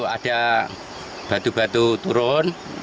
ada batu batu turun